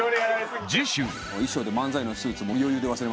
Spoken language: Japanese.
次週